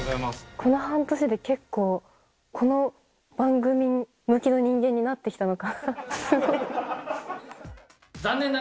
この半年で結構、この番組向きの人間になってきたのかな。